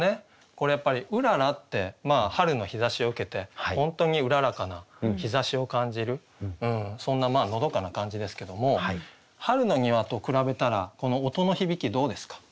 これやっぱり「うらら」って春の日ざしを受けて本当に麗かな日ざしを感じるそんなのどかな感じですけども「春の庭」と比べたらこの音の響きどうですか？